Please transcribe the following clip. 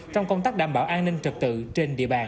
trong công tác đảm bảo an ninh trật tự trên địa bàn